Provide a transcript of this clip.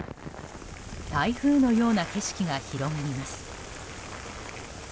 台風のような景色が広がります。